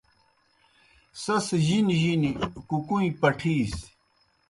سیْس جِنیْ جِنیْ کُکُوئیں پٹِھیسیْ۔